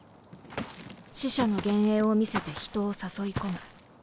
死者の幻影を見せて人を誘い込む。